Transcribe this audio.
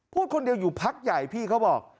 พูดคนเดียวอยู่พักใหญ่พี่เขาบอก